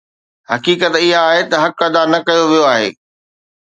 حقيقت اها آهي ته حق ادا نه ڪيو ويو آهي